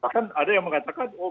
bahkan ada yang mengatakan